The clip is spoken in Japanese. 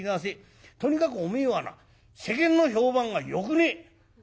とにかくおめえはな世間の評判がよくねえ」。